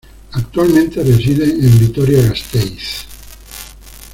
Actualmente reside en Vitoria-Gasteiz.